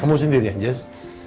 kamu sendiri ya jess